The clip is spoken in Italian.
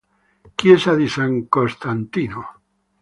Chiesa di San Costantino